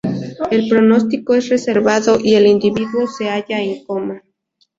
El pronóstico es reservado y el individuo se halla en coma.